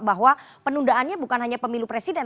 bahwa penundaannya bukan hanya pemilu presiden